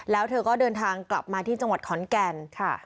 แล้วเธอก็เดินทางกลับมาที่จังหวัดขอนแก่นค่ะ